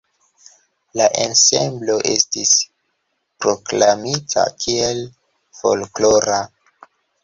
La ensemblo estis proklamita kiel folklora.